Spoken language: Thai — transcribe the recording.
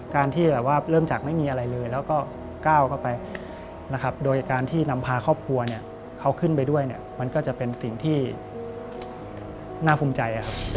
การที่แบบว่าเริ่มจากไม่มีอะไรเลยแล้วก็ก้าวเข้าไปนะครับโดยการที่นำพาครอบครัวเนี่ยเขาขึ้นไปด้วยเนี่ยมันก็จะเป็นสิ่งที่น่าภูมิใจครับ